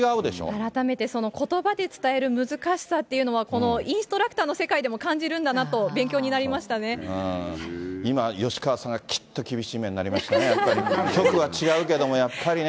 改めてことばで伝える難しさっていうのは、このインストラクターの世界でも感じるんだなと、今、吉川さんがきっと厳しい目になりましたね、やっぱり、局は違うけども、やっぱりね。